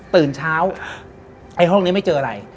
ตื่นเช้าไอ้ห้องนี้ไม่เจออะไร